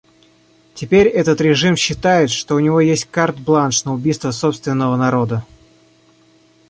Теперь этот режим считает, что у него есть карт-бланш на убийство собственного народа.